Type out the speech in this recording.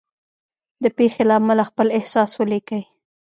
د پېښې له امله خپل احساس ولیکئ.